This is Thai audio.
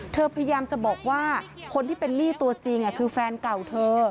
พยายามจะบอกว่าคนที่เป็นหนี้ตัวจริงคือแฟนเก่าเธอ